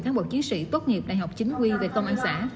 các bộ chiến sĩ tốt nghiệp đại học chính quy về công an xã